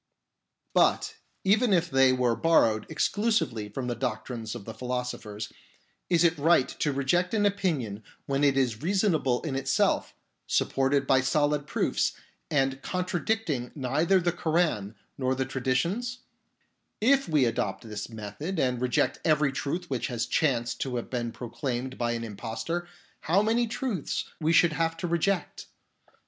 But even if they were borrowed exclusively 1 I.e. There is nothing new under the sun. 38 TRUTH IS TRUTH WHEREVER FOUND from the doctrines of the philosophers, is it right to reject an opinion when it is reasonable in itself, supported by solid proofs, and contradicting neither the Koran nor the traditions ? If we adopt this method and reject every truth which has chanced to have been proclaimed by an im postor, how many truths we should have to reject